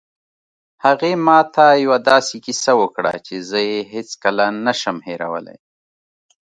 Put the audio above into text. هغې ما ته یوه داسې کیسه وکړه چې زه یې هېڅکله نه شم هیرولی